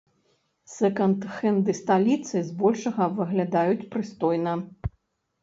Сэканд-хэнды сталіцы з большага выглядаюць прыстойна.